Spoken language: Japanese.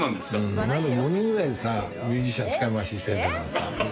５人ぐらいミュージシャン使い回ししてんだからさ。